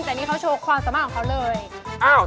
แต่นี่เขาโชว์ความสามารถของเขาเลย